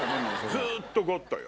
ずっとゴッドよ。